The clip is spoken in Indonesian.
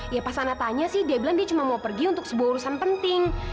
ya pas anda tanya sih dia bilang dia cuma mau pergi untuk sebuah urusan penting